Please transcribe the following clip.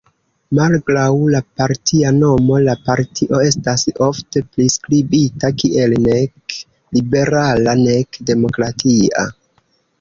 Malgraŭ la partia nomo, la partio estas ofte priskribita kiel "nek liberala nek demokratia.